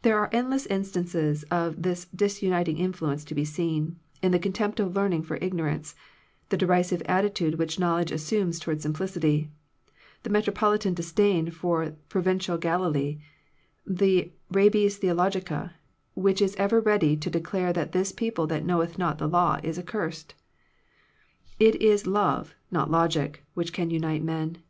There are endless instances of this disuniting influence to be seen, in the contempt of learning for ignorance, the derisive attitude which knowledge assumes toward simplicity, the metro politan disdain for provincial Galilee, the rabies theologica which is ever ready to declare that this people that knoweth not the law is accursed. It is love, not logic, which can unite men.